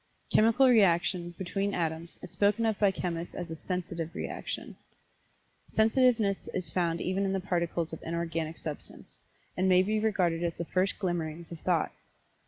Chemical reaction, between atoms, is spoken of by chemists as a "sensitive" reaction. Sensitiveness is found even in the Particles of Inorganic Substance, and may be regarded as the first glimmerings of thought.